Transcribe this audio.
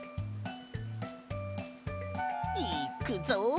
いっくぞ！